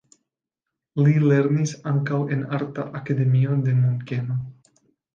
Li lernis ankaŭ en arta akademio de Munkeno.